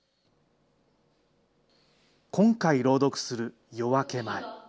今回朗読する、夜明け前。